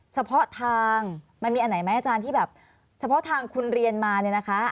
เฉพาะทางมันมีอันไหนไหมอาจารย์ที่แบบเฉพาะทางคุณเรียนมาเนี่ยนะคะ